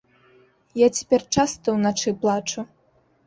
Я цяпер часта ўначы плачу.